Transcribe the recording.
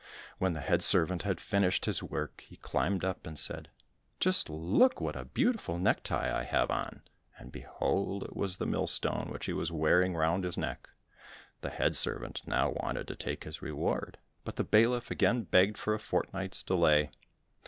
When the head servant had finished his work, he climbed up and said, "Just look what a beautiful neck tie I have on," and behold it was the mill stone which he was wearing round his neck. The head servant now wanted to take his reward, but the bailiff again begged for a fortnight's delay.